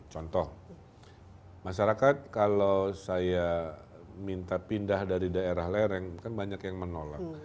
contoh masyarakat kalau saya minta pindah dari daerah lereng kan banyak yang menolak